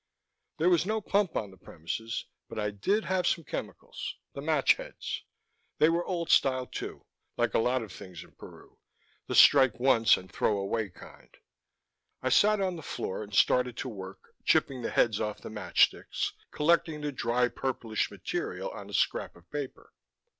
There was no pump on the premises but I did have some chemicals: the match heads. They were old style too, like a lot of things in Peru: the strike once and throw away kind. I sat on the floor and started to work, chipping the heads off the matchsticks, collecting the dry, purplish material on a scrap of paper.